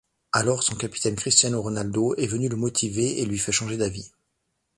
Alors son capitaine Cristiano Ronaldo est venu le motiver et lui faire changer d'avis.